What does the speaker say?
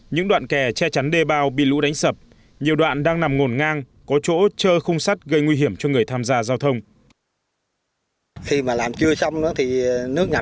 những đoạn kè che chắn đề bào bị lũ đánh sập nhiều đoạn đang nằm ngồn ngang có chỗ chơ khung sắt gây nguy hiểm cho người tham gia giao thông